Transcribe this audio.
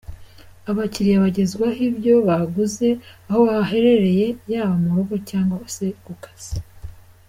Abakiriya bagezwaho ibyo baguze aho baherereye yaba mu rugo cyangwa se ku kazi.